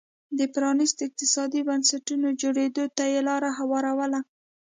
د پرانیستو اقتصادي بنسټونو جوړېدو ته یې لار هواروله